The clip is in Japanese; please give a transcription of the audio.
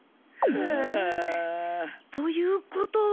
ハア。ということは。